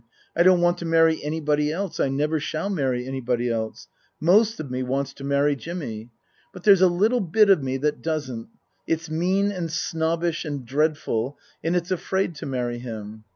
I don't want to marry anybody else. I never shall marry anybody else. Most of me wants to marry Jimmy. But there's a little bit of me that doesn't. It's mean and snobbish and dreadful, and it's afraid to marry him.